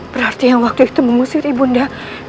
berarti yang waktu itu mengusir ibu nda